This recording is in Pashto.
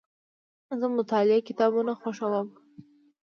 زه د مطالعې کتابونه خوښوم.